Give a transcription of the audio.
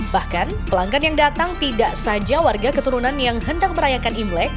bahkan pelanggan yang datang tidak saja warga keturunan yang hendak merayakan imlek